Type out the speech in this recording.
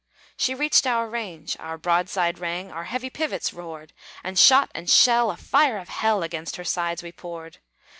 She reached our range. Our broadside rang, Our heavy pivots roared; And shot and shell, a fire of hell, Against her sides we poured.